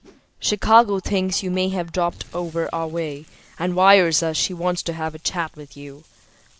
Chicago thinks you may have dropped over our way and wires us she wants to have a chat with you.